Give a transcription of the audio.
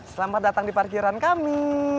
selamat datang di parkiran kami